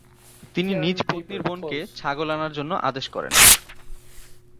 তিনি নিজ পত্নীর বোনকে ছাগল আনার জন্য আদেশ করেন।